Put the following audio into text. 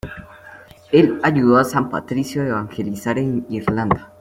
Él ayudó a San Patricio a evangelizar en Irlanda.